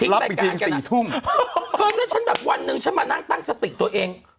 รับอีกเทียงสี่ทุ่มแล้วฉันแบบวันหนึ่งฉันมานั่งตั้งสติตัวเอง